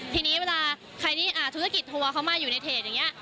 ทีนี้เวลาใครที่ธุรกิจทัวร์เขามาอยู่ในเพจอย่างนี้